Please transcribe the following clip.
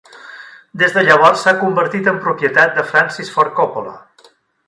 Des de llavors s'ha convertit en propietat de Francis Ford Coppola.